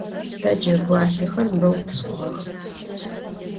Te cegualhexer beu tş'ığex.